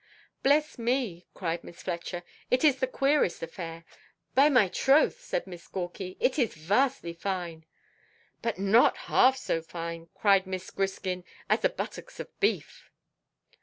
"Bless me," cried Miss Fletcher, "it is the queerest affair" "By my troth," said Miss Gawky, "it is vastly fine." "But not half so fine," cried Miss Griskin, "as the buttocks of beef."